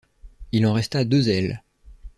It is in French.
Il en resta deux ailes.